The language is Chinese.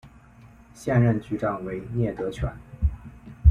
现任局长为聂德权。